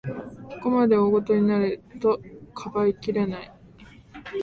ここまで大ごとになると、かばいきれない